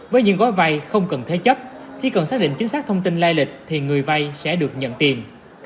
với những gói vay không cần thế chấp chỉ cần xác định chính xác thông tin lai lịch thì người vay sẽ được nhận tiền